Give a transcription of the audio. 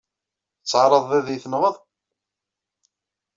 Tettɛaraḍeḍ ad yi-tenɣeḍ?